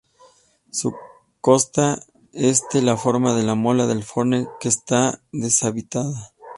Su costa este la forma la Mola de Fornells que está deshabitada.